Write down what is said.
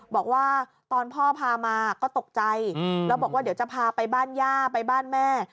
บอกว่าตอนพ่อพามาก็ตกใจแล้วบอกว่าเดี๋ยวจะพาไปบ้านย่าไปบ้านแม่